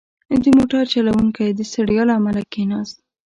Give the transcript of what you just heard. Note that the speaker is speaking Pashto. • د موټر چلوونکی د ستړیا له امله کښېناست.